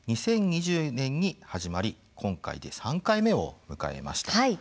２０２０年に始まり今回で３回目を迎えました。